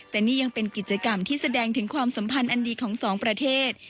แต่นี่ยังเป็นกิจกรรมที่แสดงถึงความสัมพันธ์อันดีของสองประเทศ